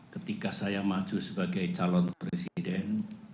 ketika saya maju sebagai calon presiden